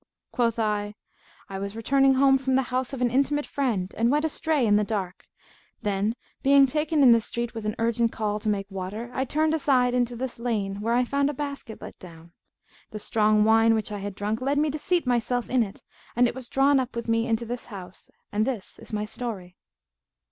Quoth I, 'I was returning home from the house of an intimate friend and went astray in the dark; then, being taken in the street with an urgent call to make water, I turned aside into this lane, where I found a basket let down. The strong wine which I had drunk led me to seat myself in it and it was drawn up with me into this house, and this is my story.'